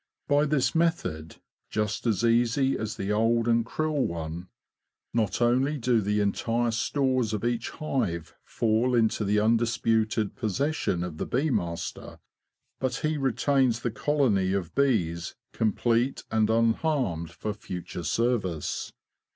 By this method, just as easy as the old and cruel one, not only do the entire stores of each hive fall into the undisputed posses 212 THE BEE MASTER OF WARRILOW sion of the bee master, but he retains the colony of bees complete and unharmed for future service.